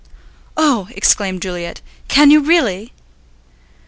"Oh," exclaimed Juliet, "can you really?"